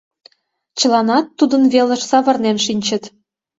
Чыланат тудын велыш савырнен шинчыт.